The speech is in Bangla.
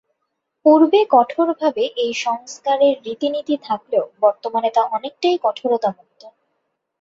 পূর্বে কঠোরভাবে এ সংস্কারের রীতিনীতি থাকলেও বর্তমানে তা অনেকটাই কঠোরতামুক্ত।